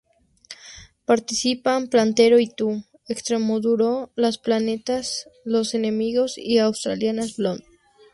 Participan Platero y Tú, Extremoduro, Los Planetas, Los Enemigos y Australian Blonde.